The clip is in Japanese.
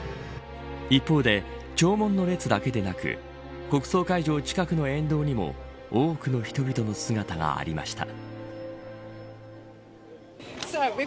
一方で、弔問の列だけでなく国葬会場近くの沿道にも多くの人々の姿がありました。